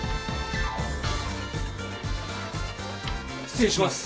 ・失礼します。